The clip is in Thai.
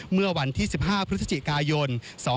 เมื่อวันที่๑๕พฤศจิกายน๒๕๖